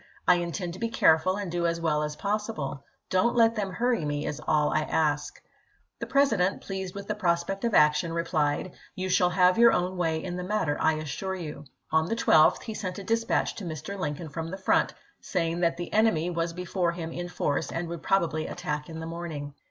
I intend to be careful and do as well as possible. Don't let them hurry me, is all I ask." The President, pleased with the prospect of action, replied :" You shall have your own way in the matter, I assure you." On the l'2th he sent a dis ary. patch to Mr. Lincoln from the front, saying that the enemy was before him in force, and would prob ably attack in the morning.